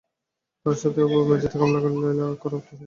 তার সাথে ওভাবে মেঝেতে কামলীলা করা তো শোভন কিছু না।